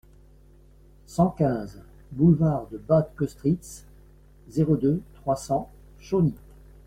cent quinze boulevard de Bad Kostritz, zéro deux, trois cents, Chauny